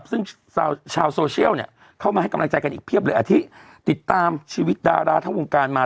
ซึ่งชาวโซเชียลเข้ามาให้กำลังใจกันอีกเพียบเลยที่ติดตามชีวิตดาราทั้งวงการมา